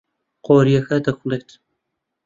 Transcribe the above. قۆریەکە دەکوڵێت.